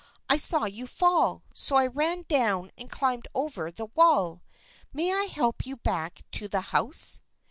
I saw you fall, so I ran down and climbed over the wall. May I help you back to the house